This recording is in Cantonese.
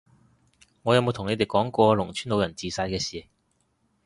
我有冇同你哋講過農村老人自殺嘅事？